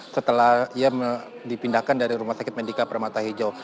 setelah ia dipindahkan dari rumah sakit medika permata hijau